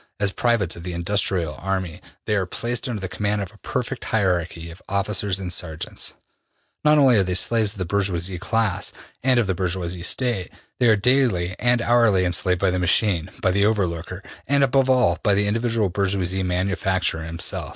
As privates of the industrial army they are placed under the command of a perfect hierarchy of officers and sergeants. Not only are they slaves of the bourgeois class, and of the bourgeois State, they are daily and hourly enslaved by the machine, by the over looker, and, above all, by the individual bourgeois manufacturer himself.